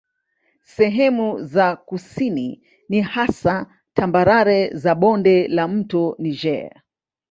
Sehemu za kusini ni hasa tambarare za bonde la mto Niger.